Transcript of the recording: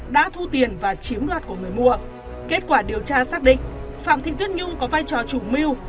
đã thu tiền và chiếm đoạt của người mua kết quả điều tra xác định phạm thị tuyết nhung có vai trò chủ mưu